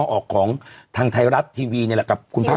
ขอบคุณนะครับขอบคุณนะครับขอบคุณนะครับ